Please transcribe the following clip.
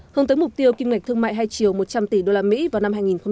hướng tới mục tiêu kim ngạch thương mại hai triệu một trăm linh tỷ usd vào năm hai nghìn hai mươi